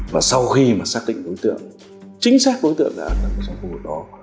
và sau khi mà xác định đối tượng chính xác đối tượng ẩn nấp ở khu vực đó